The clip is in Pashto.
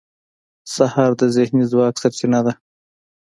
سهار د ذهني ځواک سرچینه ده.